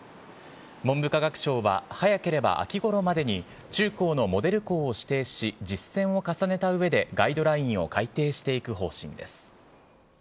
文部科学省は、早ければ秋ごろまでに中高のモデル校を指定し、実践を重ねたうえで、ガイドラインを改定していく方針です。